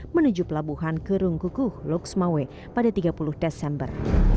menuju pelabuhan gerung kukuh luxmawai pada tiga puluh desember